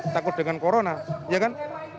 takut dengan corona ya kan